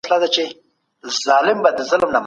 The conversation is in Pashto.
هرچا ته مهمه ده چې د خپلې بورې خوراک کنټرول کړي.